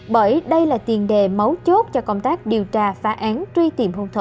bởi đây là tiền đề mấu chốt cho công tác điều tra phá án truy tìm hung thủ